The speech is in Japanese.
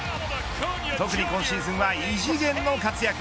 特に今シーズンは異次元の活躍。